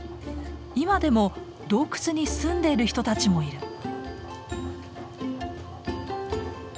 今でも洞窟に住んでる人たちもいる。